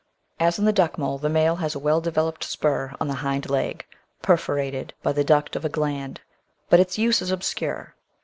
As in the Duckmole, the male has a well developed spur on the hind leg, perforated by the duct of a gland, but its use is obscure.